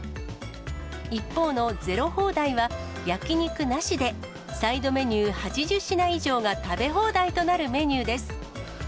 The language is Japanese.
一方のゼロ放題は、焼き肉なしで、サイドメニュー８０品以上が食べ放題となるメニューです。